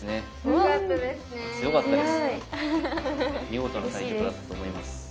見事な対局だったと思います。